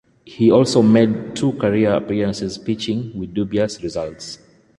He also made two career appearances pitching with dubious results.